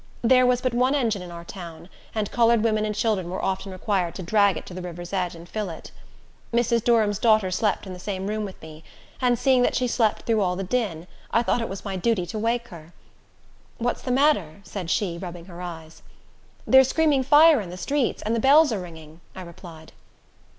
There was but one engine in our town, and colored women and children were often required to drag it to the river's edge and fill it. Mrs. Durham's daughter slept in the same room with me, and seeing that she slept through all the din, I thought it was my duty to wake her. "What's the matter?" said she, rubbing her eyes. "They're screaming fire in the streets, and the bells are ringing," I replied.